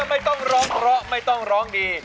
ไม่ต้องร้องเพราะไม่ต้องร้องดี